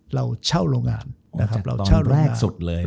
เราเช่าโรงงานนะครับเราเช่าโรงงานจากตอนแรกสุดเลย